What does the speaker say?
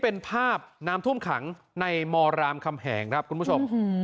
เป็นภาพน้ำท่วมขังในมรามคำแหงครับคุณผู้ชม